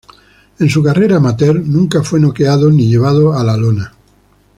En su carrera amateur nunca fue noqueado, ni llevado a la lona.